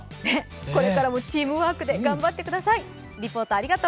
これからもチームワークで頑張ってください。